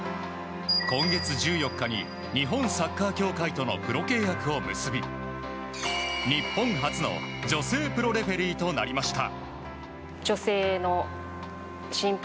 今月１４日に日本サッカー協会とのプロ契約を結び日本初の女性プロレフェリーとなりました。